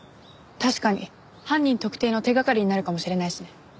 確かに犯人特定の手掛かりになるかもしれないしね。